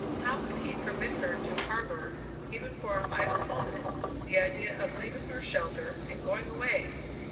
How could he permit her to harbour, even for an idle moment, the idea of leaving her shelter and going away?